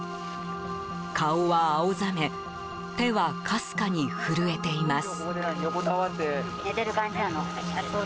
顔は青ざめ、手はかすかに震えています。